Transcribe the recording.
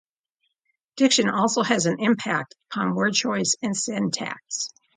Diction also has an impact upon word choice and syntax.